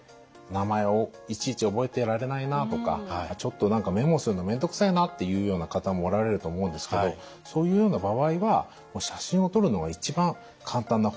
「名前をいちいち覚えてられないなあ」とか「ちょっと何かメモするの面倒くさいな」というような方もおられると思うんですけどそういうような場合は写真を撮るのが一番簡単な方法だと思います。